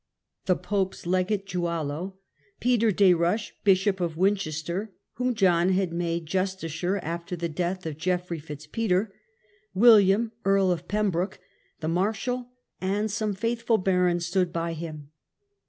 The pope's legate Gualo, Peter des Roches, Bishop of Winchester (whom John had made justiciar after the death of Geoffrey Fitz Peter), William, Earl of Pembroke, the Marshal, and some faithful The crowning barons, stood by him.